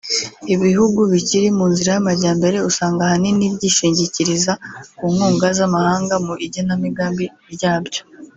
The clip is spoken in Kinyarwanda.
Ibihugu bikiri mu nzira y’amajyambere usanga ahanini byishingikiriza ku nkunga z’amahanga mu igenamigambi ryabyo